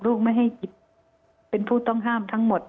ไม่ให้เป็นผู้ต้องห้ามทั้งหมด